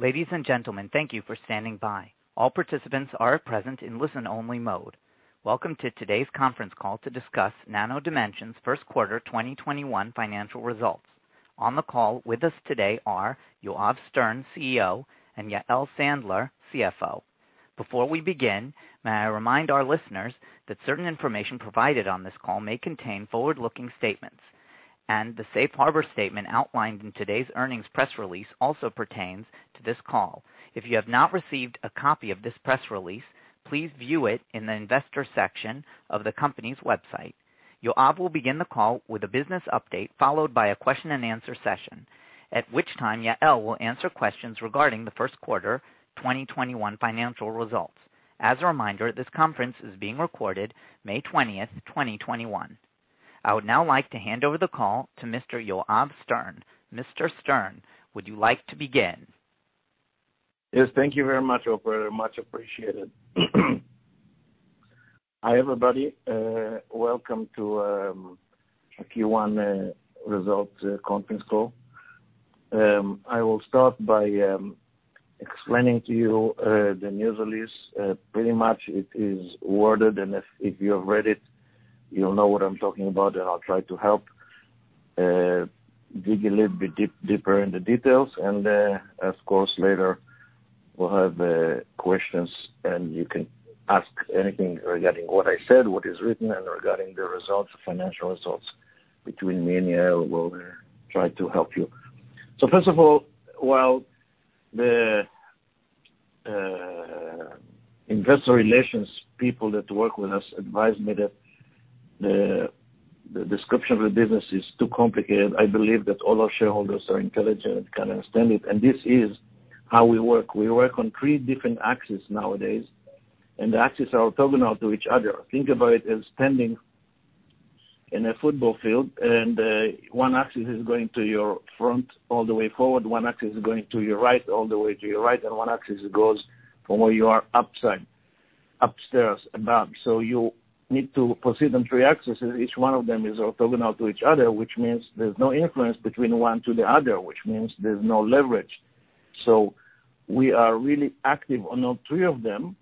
Ladies and gentlemen, thank you for standing by. All participants are present in listen-only mode. Welcome to today's conference call to discuss Nano Dimension's first quarter 2021 financial results. On the call with us today are Yoav Stern, CEO, and Yael Sandler, CFO. Before we begin, may I remind our listeners that certain information provided on this call may contain forward-looking statements, and the safe harbor statement outlined in today's earnings press release also pertains to this call. If you have not received a copy of this press release, please view it in the investor section of the company's website. Yoav will begin the call with a business update, followed by a question and answer session, at which time Yael will answer questions regarding the first quarter 2021 financial results. As a reminder, this conference is being recorded May 20th, 2021. I would now like to hand over the call to Mr. Yoav Stern. Mr. Stern, would you like to begin? Yes, thank you very much. I very much appreciate it. Hi, everybody. Welcome to Q1 results conference call. I will start by explaining to you the news release. Pretty much it is worded. If you have read it, you'll know what I'm talking about, and I'll try to help dig a little bit deeper into details. Of course, later we'll have questions, and you can ask anything regarding what I said, what is written, and regarding the results, financial results, between me and Yael. We'll try to help you. First of all, while the investor relations people that work with us advise me that the description of the business is too complicated, I believe that all our shareholders are intelligent and can understand it. This is how we work. We work on three different axes nowadays, and the axes are orthogonal to each other. Think about it as standing in a football field, one axis is going to your front all the way forward, one axis is going to your right all the way to your right, one axis goes from where you are upstairs and up. You need to proceed on three axes, each one of them is orthogonal to each other, which means there's no influence between one to the other, which means there's no leverage. We are really active on all three of them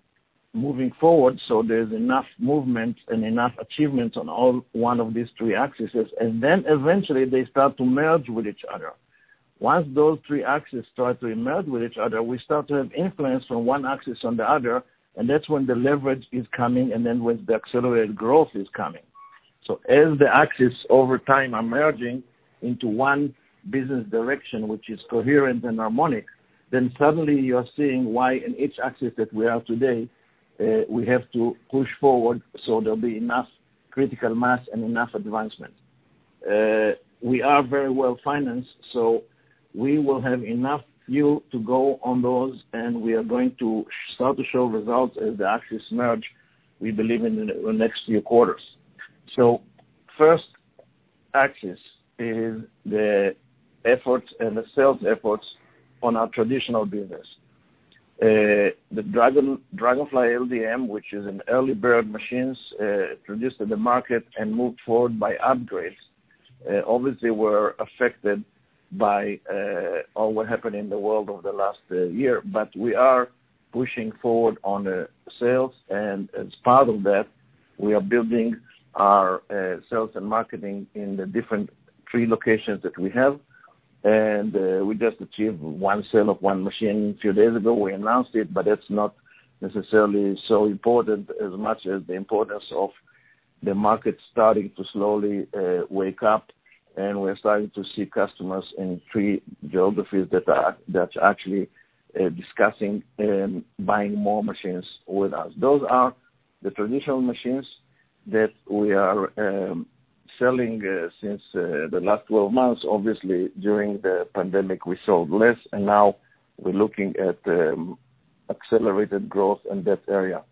moving forward, there's enough movement and enough achievements on all one of these three axes. Eventually they start to merge with each other. Once those three axes start to merge with each other, we start to have influence from one axis on the other, that's when the leverage is coming when the accelerated growth is coming. As the axes over time are merging into one business direction, which is coherent and harmonic, suddenly you're seeing why in each axis that we are today, we have to push forward so there'll be enough critical mass and enough advancement. We are very well-financed, we will have enough fuel to go on those, we are going to start to show results as the axes merge, we believe, in the next few quarters. First axis is the efforts and the sales efforts on our traditional business. The DragonFly LDM, which is an early bird machines introduced in the market and moved forward by upgrades. Obviously, we're affected by all what happened in the world over the last year, we are pushing forward on sales. As part of that, we are building our sales and marketing in the different three locations that we have. We just achieved one sale of one machine a few days ago. We announced it, that's not necessarily so important as much as the importance of the market starting to slowly wake up. We're starting to see customers in three geographies that's actually discussing buying more machines with us. Those are the traditional machines that we are selling since the last 12 months. Obviously, during the pandemic, we sold less, now we're looking at accelerated growth in that area.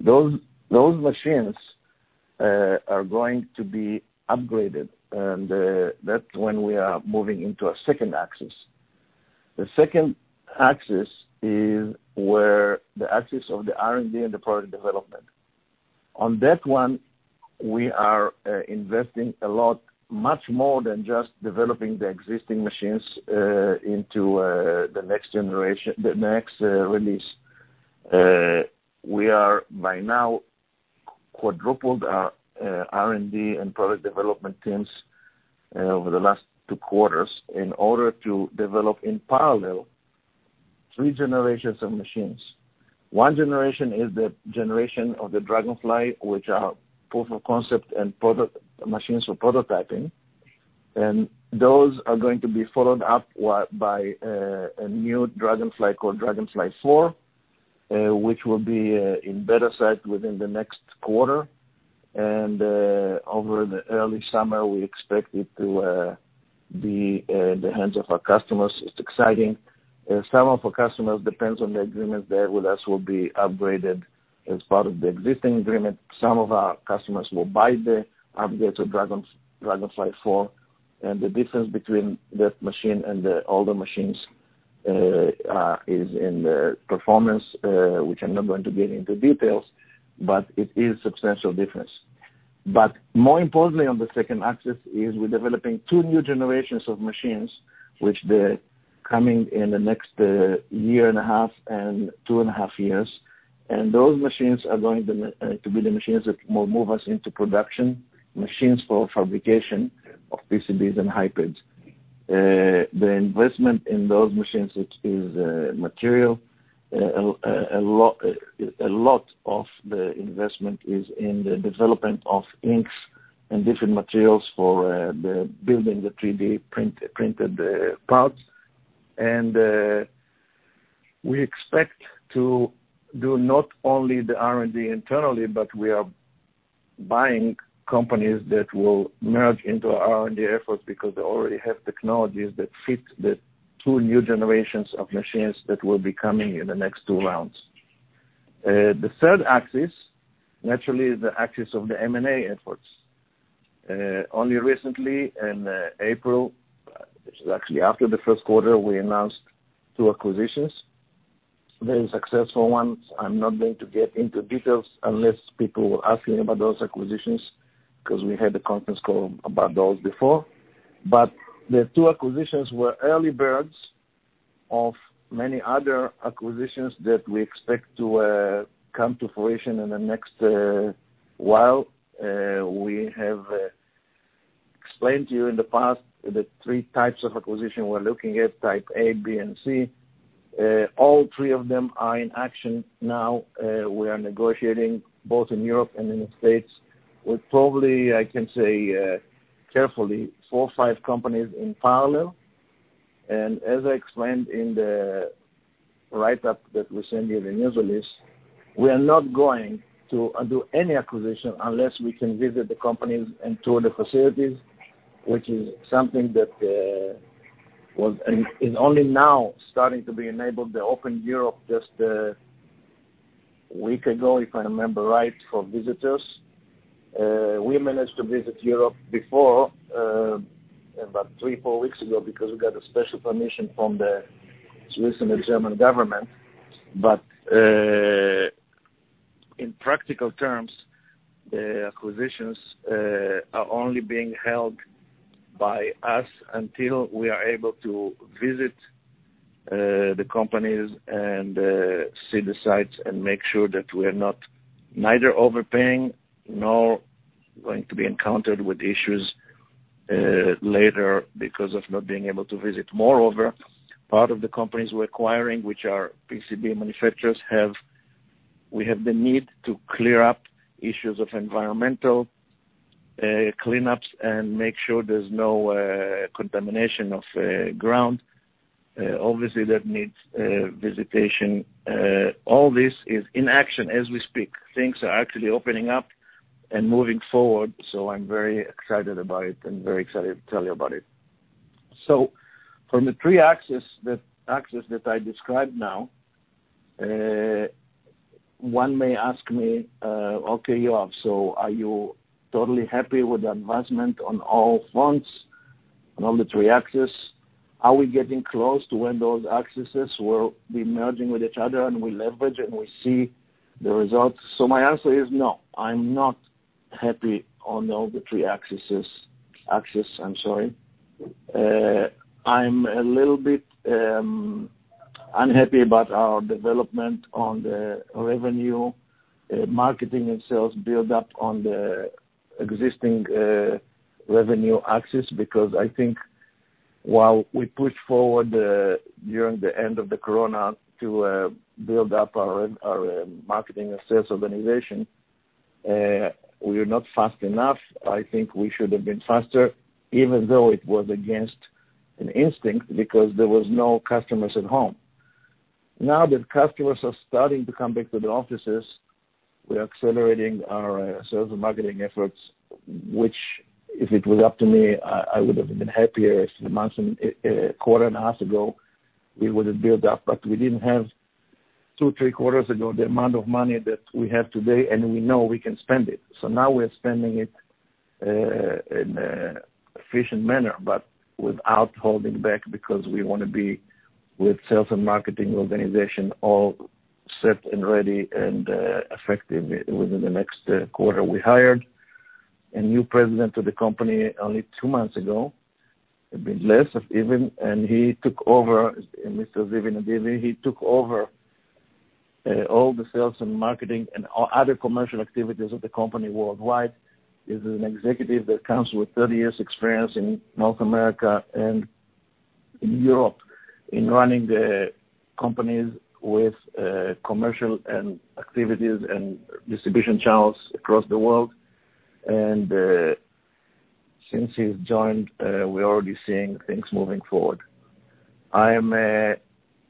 Those machines are going to be upgraded, that's when we are moving into our second axis. The second axis is where the axis of the R&D and the product development. On that one, we are investing a lot, much more than just developing the existing machines into the next release. We are by now quadrupled our R&D and product development teams over the last two quarters in order to develop in parallel three generations of machines. One generation is the generation of the DragonFly, which are proof of concept and machines for prototyping. Those are going to be followed up by a new DragonFly called DragonFly IV, which will be in beta site within the next quarter. Over the early summer, we expect it to be in the hands of our customers. It's exciting. Some of our customers, depends on the agreement there with us, will be upgraded as part of the existing agreement. Some of our customers will buy the upgrade to DragonFly IV, and the difference between that machine and the older machines is in the performance, which I'm not going to get into details, but it is a substantial difference. More importantly, on the second axis is we're developing two new generations of machines, which they're coming in the next one and a half years and two and a half years. Those machines are going to be the machines that will move us into production, machines for fabrication of PCBs and hybrids. The investment in those machines is material. A lot of the investment is in the development of inks and different materials for building the 3D-printed parts. We expect to do not only the R&D internally, but we are buying companies that will merge into our R&D effort because they already have technologies that fit the two new generations of machines that will be coming in the next two rounds. The third axis, naturally, is the axis of the M&A efforts. Only recently in April, which is actually after the first quarter, we announced two acquisitions, very successful ones. I'm not going to get into details unless people ask me about those acquisitions because we had a conference call about those before. The two acquisitions were early birds of many other acquisitions that we expect to come to fruition in the next while. We have explained to you in the past the three types of acquisition we're looking at type A, B, and C. All three of them are in action now. We are negotiating both in Europe and in the U.S. with probably, I can say carefully, four or five companies in parallel. As I explained in the write-up that we send you the newsletter, we are not going to do any acquisition unless we can visit the companies and tour the facilities, which is something that was only now starting to be enabled. They opened Europe just a week ago, if I remember right, for visitors. We managed to visit Europe before about three, four weeks ago because we got a special permission from the Swiss and the German government. In practical terms, the acquisitions are only being held by us until we are able to visit the companies and see the sites and make sure that we're not neither overpaying nor going to be encountered with issues later because of not being able to visit. Moreover, part of the companies we're acquiring, which are PCB manufacturers, we have the need to clear up issues of environmental cleanups and make sure there's no contamination of ground. Obviously, that needs visitation. All this is in action as we speak. Things are actually opening up and moving forward, so I'm very excited about it and very excited to tell you about it. From the three axes that I described now, one may ask me, "Okay, Yoav, so are you totally happy with the advancement on all fronts and on the three axes? Are we getting close to when those axes will be merging with each other and we leverage and we see the results?" My answer is no, I'm not happy on all the three axes. I'm a little bit unhappy about our development on the revenue marketing and sales build-up on the existing revenue axis because I think while we pushed forward during the end of the corona to build up our marketing and sales organization we were not fast enough. I think we should have been faster, even though it was against an instinct because there was no customers at home. Now that customers are starting to come back to the offices, we're accelerating our sales and marketing efforts, which if it was up to me, I would have been happier if the quarter and a half ago we would have built up. We didn't have two, three quarters ago the amount of money that we have today, and we know we can spend it. Now we are spending it in an efficient manner, but without holding back because we want to be with sales and marketing organization all set and ready and effective within the next quarter. We hired a new president of the company only two months ago, a bit less even, and he took over, Mr. Assaf Zipori, he took over all the sales and marketing and other commercial activities of the company worldwide. He is an executive that comes with 30 years experience in North America and Europe in running the companies with commercial activities and distribution channels across the world. Since he has joined, we are already seeing things moving forward. I am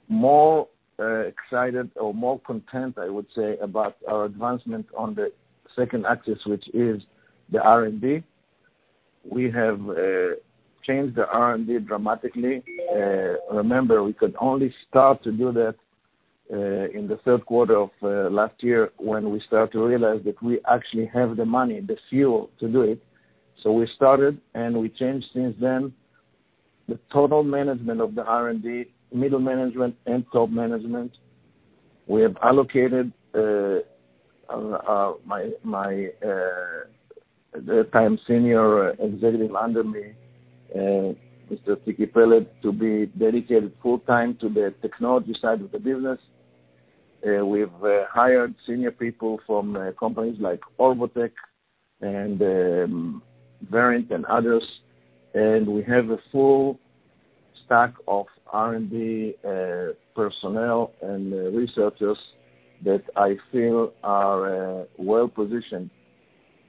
more excited or more content, I would say, about our advancement on the second axis, which is the R&D. We have changed the R&D dramatically. Remember, we could only start to do that. In the third quarter of last year when we start to realize that we actually have the money, the fuel to do it. We started, and we changed since then the total management of the R&D, middle management and top management. We have allocated my, at the time, senior executive under me, Mr. Ziki Peled, to be dedicated full-time to the technology side of the business. We've hired senior people from companies like Orbotech and Verint and others, and we have a full stack of R&D personnel and researchers that I feel are well-positioned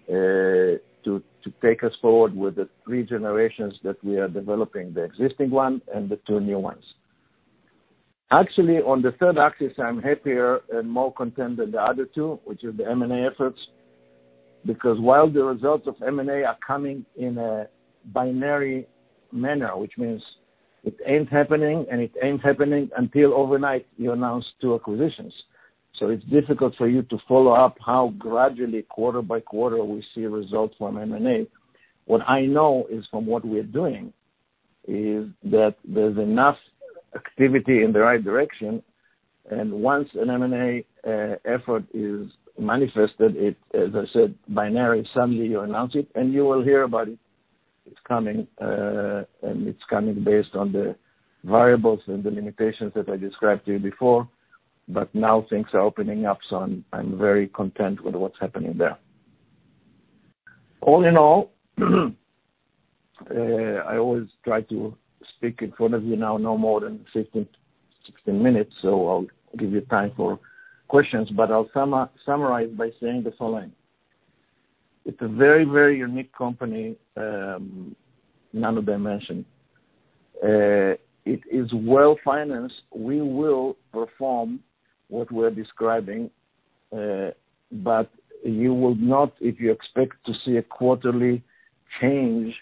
to take us forward with the three generations that we are developing, the existing one and the two new ones. Actually, on the third axis, I'm happier and more content than the other two, which is the M&A efforts because while the results of M&A are coming in a binary manner, which means it ain't happening, and it ain't happening until overnight, you announce two acquisitions. It's difficult for you to follow up how gradually, quarter by quarter, we see results from M&A. What I know is from what we are doing is that there's enough activity in the right direction, and once an M&A effort is manifested, as I said, binary, suddenly you announce it, and you will hear about it. It's coming, and it's coming based on the variables and the limitations that I described to you before, but now things are opening up, so I'm very content with what's happening there. All in all, I always try to speak in front of you now no more than 15, 16 minutes, so I'll give you time for questions, but I'll summarize by saying the following. It's a very, very unique company, Nano Dimension. It is well-financed. We will perform what we're describing, but you will not if you expect to see a quarterly change.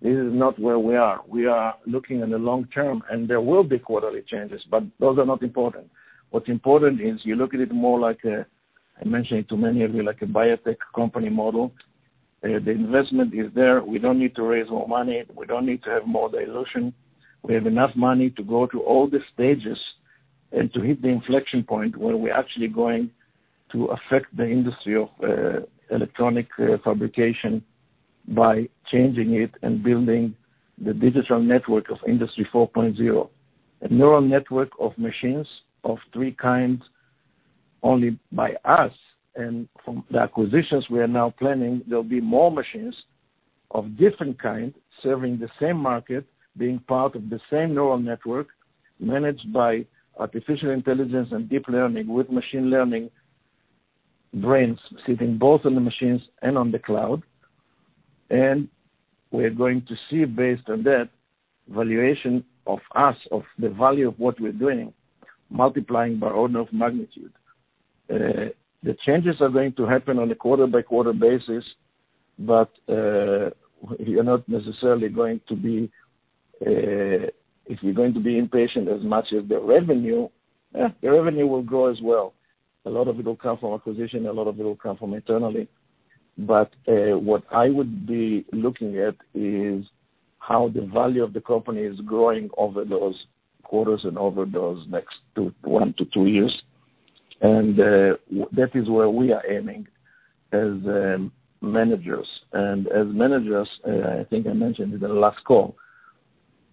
This is not where we are. We are looking in the long term, and there will be quarterly changes, but those are not important. What's important is you look at it more like, I mentioned to many of you, like a biotech company model. The investment is there. We don't need to raise more money. We don't need to have more dilution. We have enough money to go through all the stages and to hit the inflection point where we're actually going to affect the industry of electronic fabrication by changing it and building the digital network of Industry 4.0. A neural network of machines of three kinds only by us. From the acquisitions we are now planning, there'll be more machines of different kinds serving the same market, being part of the same neural network, managed by artificial intelligence and deep learning with machine learning brains sitting both on the machines and on the cloud. We're going to see, based on that valuation of us, of the value of what we're doing, multiplying by order of magnitude. The changes are going to happen on a quarter-by-quarter basis, if you're going to be impatient as much as the revenue will grow as well. A lot of it will come from acquisition, a lot of it will come from internally. What I would be looking at is how the value of the company is growing over those quarters and over those next one to two years and that is where we are aiming as managers. As managers, I think I mentioned in the last call,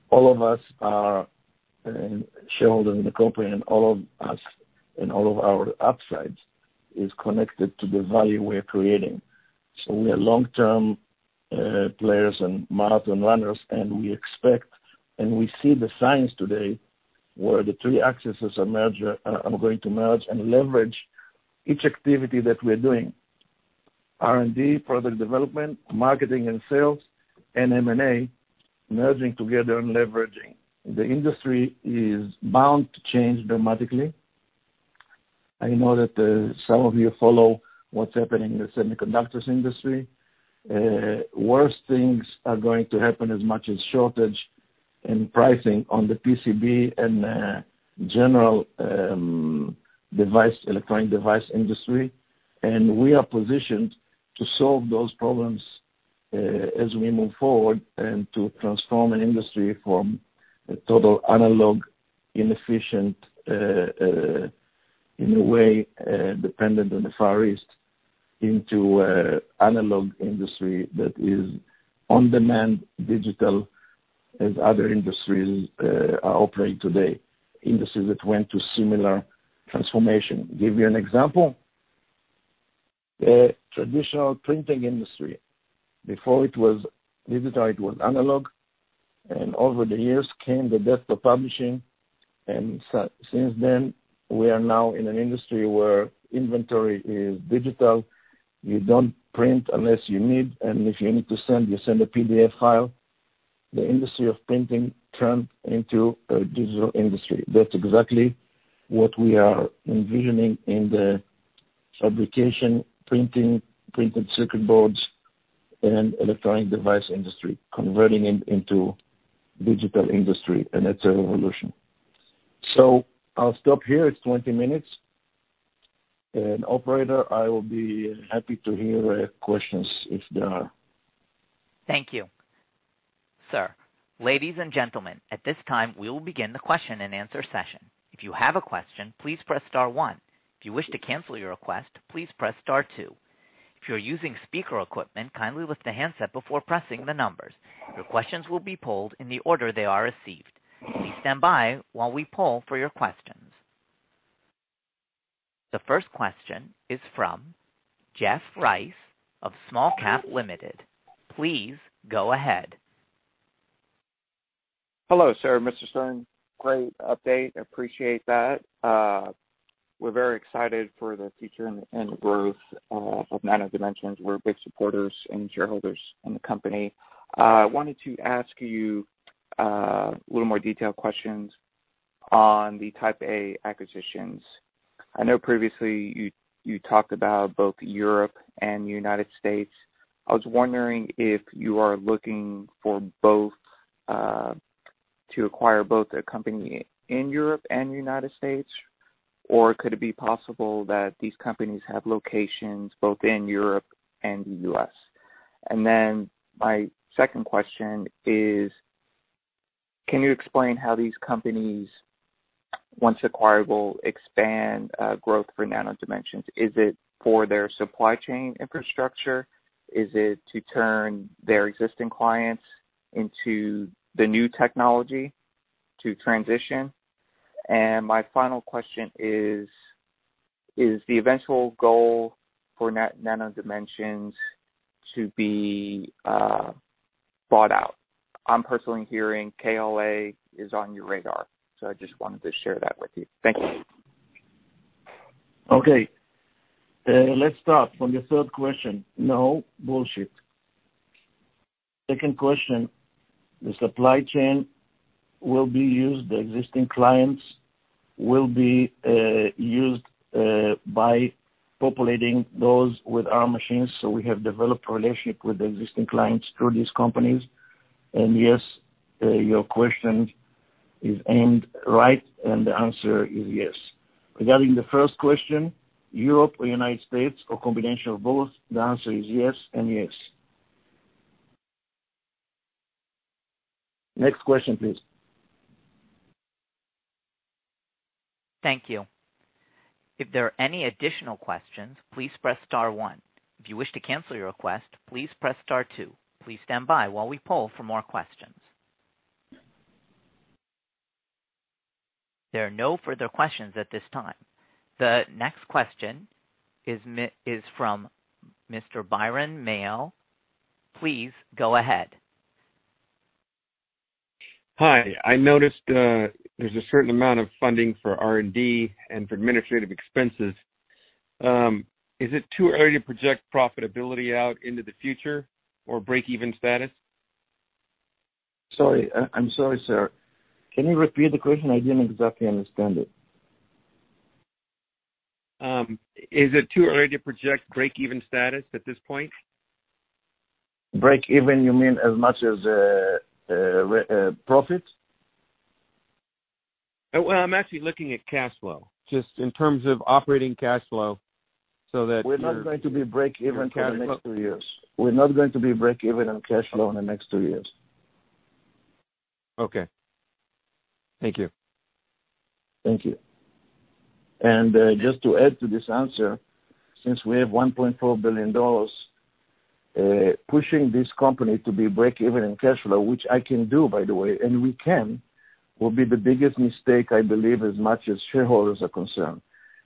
all of us are shareholders in the company and all of us and all of our upsides is connected to the value we're creating. We are long-term players and marathon runners, and we expect, and we see the signs today where the three accesses are going to merge and leverage each activity that we're doing. R&D, product development, marketing and sales, and M&A merging together and leveraging. The industry is bound to change dramatically. I know that some of you follow what's happening in the semiconductor industry. Worse things are going to happen as much as shortage and pricing on the PCB and general electronic device industry, and we are positioned to solve those problems as we move forward and to transform an industry from a total analog, inefficient, in a way, dependent on the Far East into a analog industry that is on-demand digital as other industries are operating today, industries that went to similar transformation. Give you an example. The traditional printing industry, before it was digital, it was analog. Over the years came the desktop publishing. Since then, we are now in an industry where inventory is digital. You don't print unless you need. If you need to send, you send a PDF file. The industry of printing turned into a digital industry. That's exactly what we are envisioning in the fabrication, printing, printed circuit boards in an electronic device industry, converting it into digital industry. It's a revolution. I'll stop here. It's 20 minutes. Operator, I will be happy to hear questions if there are. Thank you. Sir. Ladies and gentlemen, at this time, we will begin the question and answer session. If you have a question, please press star one. If you wish to cancel your request, please press star two. If you're using speaker equipment kindly lift the handset before pressing the numbers. The questions will be polled in the order they are received. Please standby while we poll for your questions. The first question is from Jeff Rice of SmallCap Limited. Please go ahead. Hello, sir. Mr. Stern, great update. Appreciate that. We're very excited for the future and the growth of Nano Dimension. We're big supporters and shareholders in the company. I wanted to ask you a little more detailed questions on the type A acquisitions. I know previously you talked about both Europe and the U.S. I was wondering if you are looking to acquire both a company in Europe and U.S., or could it be possible that these companies have locations both in Europe and the U.S.? My second question is, can you explain how these companies, once acquired, will expand growth for Nano Dimension? Is it for their supply chain infrastructure? Is it to turn their existing clients into the new technology to transition? My final question is the eventual goal for Nano Dimension to be bought out? I'm personally hearing KLA is on your radar, so I just wanted to share that with you. Thank you. Okay. Let's start from the third question. No, bullshit. Second question, the supply chain will be used, the existing clients will be used by populating those with our machines. We have developed relationship with existing clients through these companies. Yes, your question is aimed right, and the answer is yes. Regarding the first question, Europe or United States or combination of both, the answer is yes and yes. Next question, please. Thank you. If there are any additional questions, please press star one, if you wish to cancel your request please press star two. Please standby while we poll for more questions. There are no further questions at this time. The next question is from Mr. Byron Mayo. Please go ahead. Hi. I noticed there's a certain amount of funding for R&D and for administrative expenses. Is it too early to project profitability out into the future or breakeven status? Sorry. I'm sorry, sir. Can you repeat the question? I didn't exactly understand it. Is it too early to project breakeven status at this point? Breakeven, you mean as much as profit? Well, I'm actually looking at cash flow, just in terms of operating cash flow so that. We're not going to be breakeven in cash flow in the next two years. Okay. Thank you. Thank you. Just to add to this answer, since we have $1.4 billion, pushing this company to be breakeven in cash flow, which I can do, by the way, and we can, will be the biggest mistake I believe as much as shareholders are concerned.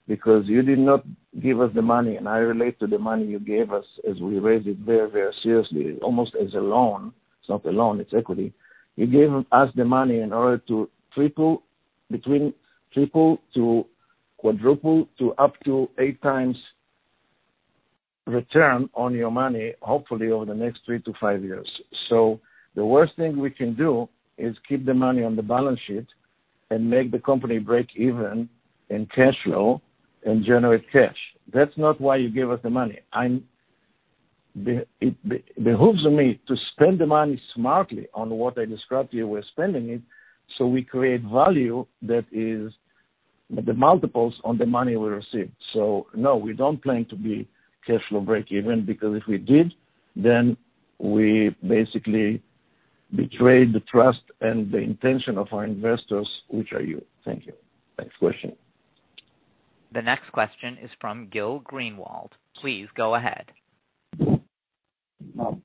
You did not give us the money, and I relate to the money you gave us as we raised it very, very seriously, almost as a loan. It's not a loan, it's equity. You gave us the money in order to triple to quadruple to up to eight times return on your money, hopefully over the next three to five years. The worst thing we can do is keep the money on the balance sheet and make the company breakeven and cash flow and generate cash. That's not why you gave us the money. It behooves me to spend the money smartly on what I described to you we're spending it, so we create value that is the multiples on the money we received. No, we don't plan to be cash flow breakeven because if we did, then we basically betrayed the trust and the intention of our investors, which are you. Thank you. Next question. The next question is from Glenn Greenwald. Please go ahead.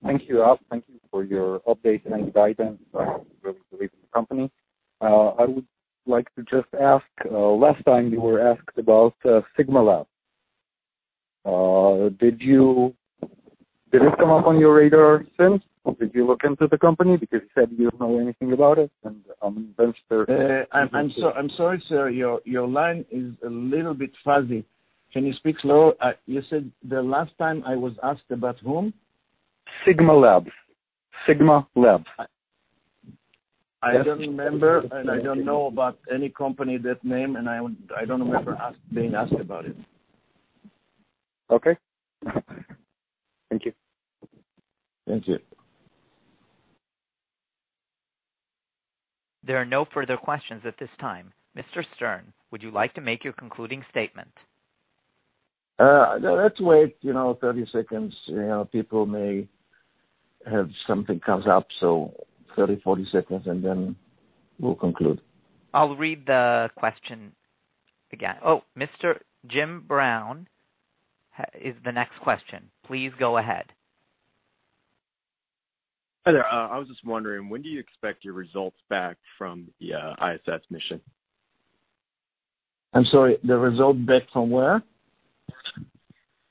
Thank you. Thank you for your update and guidance regarding the great company. I would like to just ask, last time you were asked about Sigma Labs. Did it come up on your radar since? Did you look into the company? You said you didn't know anything about it. I'm sorry, sir. Your line is a little bit fuzzy. Can you speak slow? You said the last time I was asked about whom? Sigma Labs. Sigma Labs. I don't remember, and I don't know about any company that name, and I don't remember being asked about it. Okay. Thank you. Thank you. There are no further questions at this time. Mr. Stern, would you like to make your concluding statement? Let's wait 30 seconds. People may have something comes up, so 30, 40 seconds, and then we'll conclude. I'll read the questions again. Oh, Mr. Jim Brown is the next question. Please go ahead. I was just wondering, when do you expect your results back from the ISS mission? I'm sorry, the result back from where?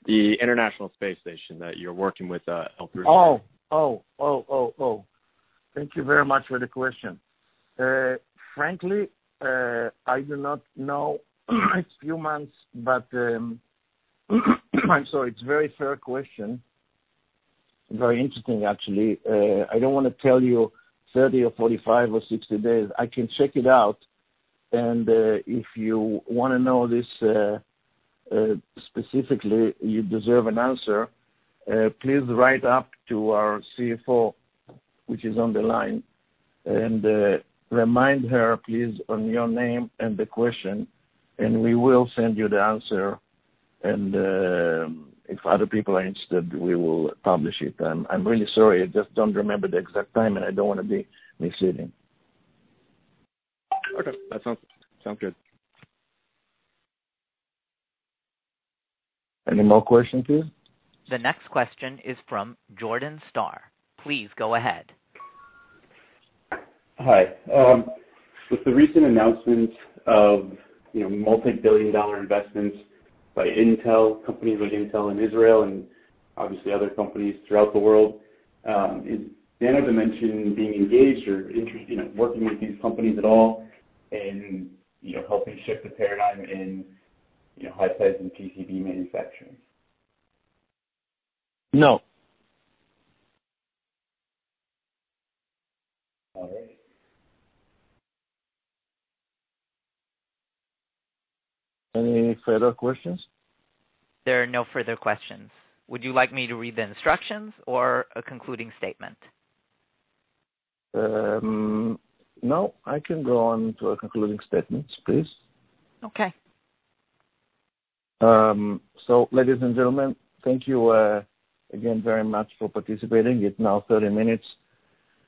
The International Space Station that you're working with L3Harris on. Oh. Thank you very much for the question. Frankly, I do not know. Excuse me. I'm sorry. It's a very fair question. Very interesting, actually. I don't want to tell you 30 or 45 or 60 days. I can check it out, and if you want to know this specifically, you deserve an answer. Please write up to our CFO, which is on the line, and remind her, please, on your name and the question, and we will send you the answer. If other people are interested, we will publish it then. I'm really sorry. I just don't remember the exact time, and I don't want to be misleading. Okay. That sounds good. Any more questions here? The next question is from Jordan Starr. Please go ahead. Hi. With the recent announcement of multi-billion dollar investments by companies like Intel in Israel, and obviously other companies throughout the world, is Nano Dimension being engaged or interested in working with these companies at all in helping shift the paradigm in high-temp and PCB manufacturing? No. Any further questions? There are no further questions. Would you like me to read the instructions or a concluding statement? No, I can go on to a concluding statement, please. Okay. Ladies and gentlemen, thank you again very much for participating. It is now 30 minutes.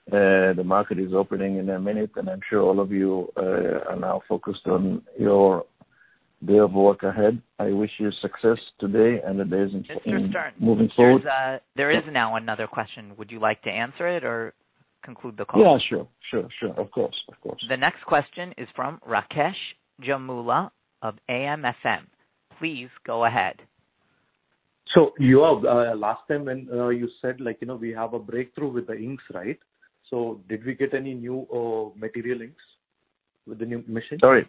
The market is opening in a minute, and I am sure all of you are now focused on your day of work ahead. I wish you success today and the days moving forward. Mr. Stern, there is now another question. Would you like to answer it or conclude the call? Yeah, sure. Of course. The next question is from Rakesh Jamula of AMSM. Please go ahead. Yoav, last time when you said we have a breakthrough with the inks, right? Did we get any new material inks with the new machine? Sorry,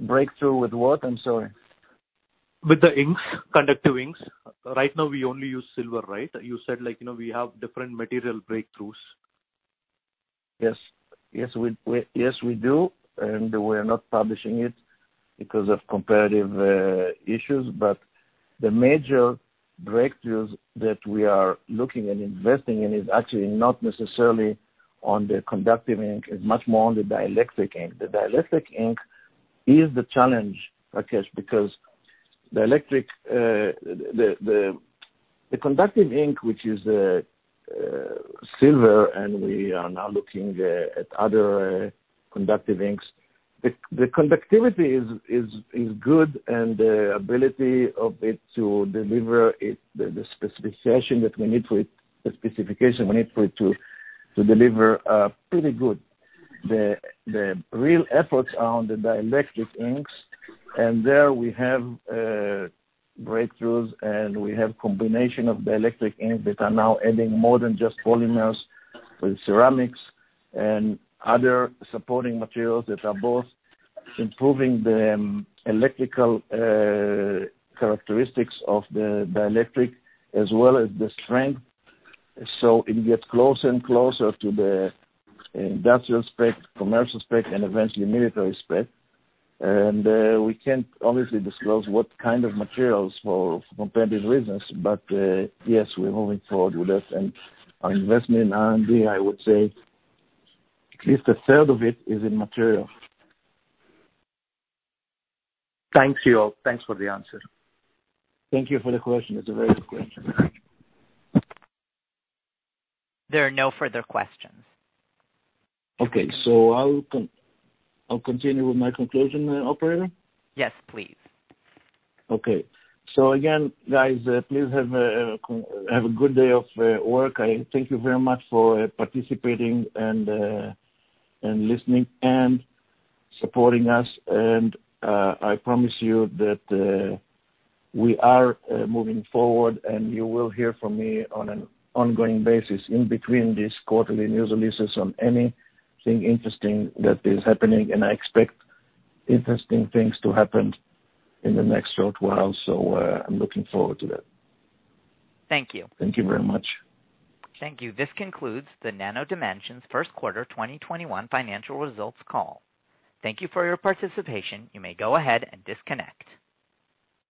breakthrough with what? I'm sorry. With the inks, conductive inks. Right now we only use silver, right? You said we have different material breakthroughs. Yes. Yes, we do. We're not publishing it because of competitive issues. The major breakthroughs that we are looking at investing in is actually not necessarily on the conductive ink. It's much more on the dielectric ink. The dielectric ink is the challenge, Rakesh, because the conductive ink, which is silver, and we are now looking at other conductive inks, the conductivity is good and the ability of it to deliver the specification that we need for it to deliver pretty good. The real efforts are on the dielectric inks, and there we have breakthroughs, and we have combination of dielectric inks that are now adding more than just polymers with ceramics and other supporting materials that are both improving the electrical characteristics of the dielectric as well as the strength. It gets closer and closer to the industrial spec, commercial spec, and eventually military spec. We can't obviously disclose what kind of materials for competitive reasons, but yes, we're moving forward with it and are investing in R&D. I would say at least a third of it is in material. Thank you. Thanks for the answer. Thank you for the question. It's a very good question. There are no further questions. Okay. I'll continue with my conclusion, operator? Yes, please. Okay. Again, guys, please have a good day of work. I thank you very much for participating and listening and supporting us. I promise you that we are moving forward, and you will hear from me on an ongoing basis in between these quarterly news releases on anything interesting that is happening, and I expect interesting things to happen in the next short while. I'm looking forward to that. Thank you. Thank you very much. Thank you. This concludes the Nano Dimension first quarter 2021 financial results call. Thank you for your participation. You may go ahead and disconnect.